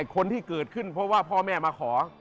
คนที่เกิดขึ้นเพราะว่าพ่อแม่มาขอ